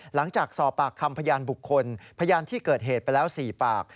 หลังจากสอบปากคำพยานบุคคลพยานที่เกิดเหตุไปแล้ว๔ปาก